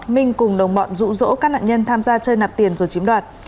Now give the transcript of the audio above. minh cùng đồng bọn rũ rỗ các nạn nhân tham gia chơi nạp tiền rồi chiếm đoạt